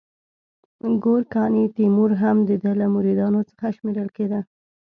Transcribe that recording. ګورکاني تیمور هم د ده له مریدانو څخه شمیرل کېده.